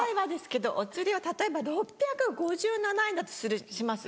お釣りを例えば６５７円だとします